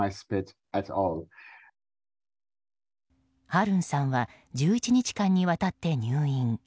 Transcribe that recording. ハルンさんは１１日間にわたって入院。